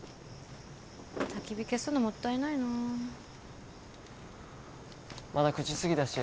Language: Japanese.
たき火消すのもったいないなまだ９時すぎだし